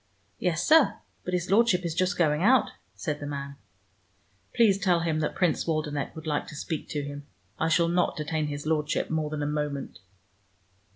"Yes, sir. But his Lordship is just going out," said the man. "Please tell him that Prince Waldenech would like to speak to him. I shall not detain his Lordship more than a moment!"